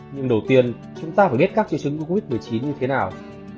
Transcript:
nhưng đầu tiên chúng ta phải biết các triệu chứng covid một mươi chín như thế nào